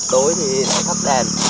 tối thì cắt đèn